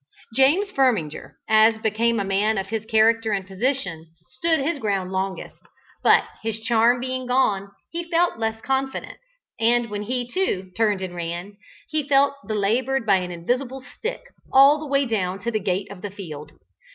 James Firminger as became a man of his character and position stood his ground longest, but his charm being gone, he felt less confidence, and when he, too, turned and ran, he felt himself belaboured by an invisible stick all the way down to the gate of the field.